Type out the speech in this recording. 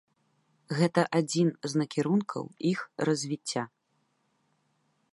Гэта адзін з накірункаў іх развіцця.